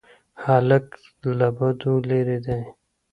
هلک له بدیو لیرې دی.